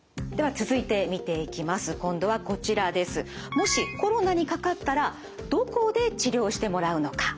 もしコロナにかかったらどこで治療してもらうのか？